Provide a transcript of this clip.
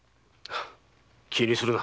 気にするな。